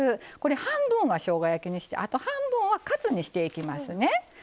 半分はしょうが焼きにしてあと半分はカツにしていきますね。